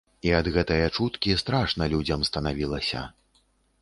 І ад гэтае чуткі страшна людзям станавілася.